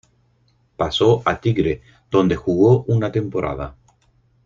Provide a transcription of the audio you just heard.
Pasó a Tigre, donde jugó una temporada.